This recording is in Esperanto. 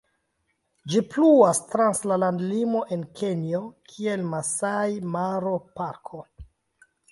Ĝi pluas trans la landlimo, en Kenjo, kiel Masaj-Maro-Parko.